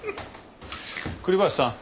栗林さん。